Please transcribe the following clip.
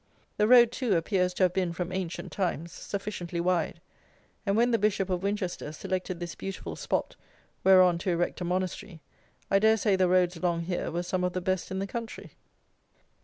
The road, too, appears to have been, from ancient times, sufficiently wide; and when the Bishop of Winchester selected this beautiful spot whereon to erect a monastery, I dare say the roads along here were some of the best in the country.